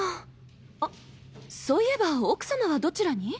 あそういえば奥様はどちらに？